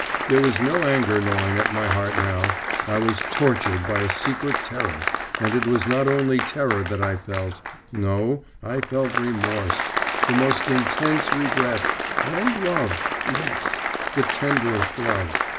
There was no anger gnawing at my heart now. I was tortured by a secret terror, and it was not only terror that I felt … no, I felt remorse, the most intense regret, and love, yes! the tenderest love.